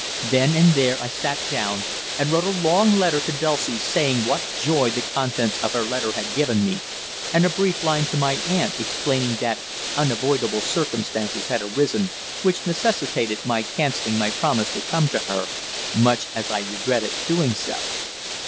Then and there I sat down and wrote a long letter to Dulcie saying what joy the contents of her letter had given me, and a brief line to my aunt explaining that "unavoidable circumstances had arisen" which necessitated my cancelling my promise to come to her, much as I regretted doing so.